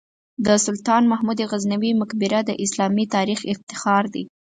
د سلطان محمود غزنوي مقبره د اسلامي تاریخ افتخار دی.